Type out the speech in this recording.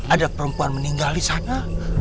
ada perempuan meninggal di sana